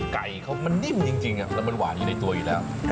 ไก่เขามันนิ่มจริงแล้วมันหวานอยู่ในตัวอยู่แล้ว